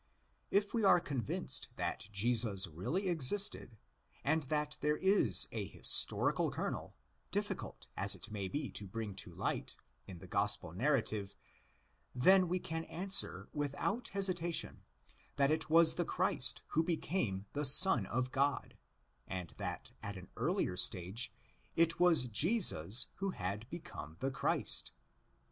If we are convinced that Jesus really existed, and that there is a historical kernel, difficult as it may be to bring to light, in the Gospel nariative, then we can answer without hesitation that it was the Christ who became the Son of God, and that, at an earlier stage, it was Jesus who had become the Christ.